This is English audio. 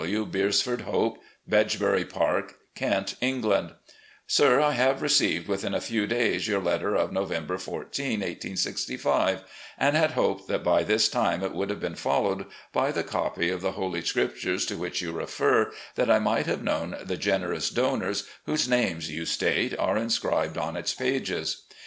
W. Beresford Hope, "Bedgebury Park, "Kent, England " Sir: I have received within a few days your letter of November 14, 1865, and had hoped that by this time it THE IDOL OF THE SOUTH 217 would have been followed by the copy of the Holy Scrip tures to which you refer, that I might have known the generous donors, whose names, you state, are inscribed on its pages.